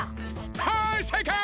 はいせいかい！